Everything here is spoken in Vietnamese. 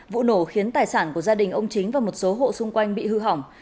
vụ nổ khiến tài sản của gia đình ông chính và một số hộ xung quanh bị hư hỏng